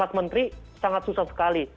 mas menteri sangat susah sekali